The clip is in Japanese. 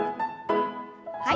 はい。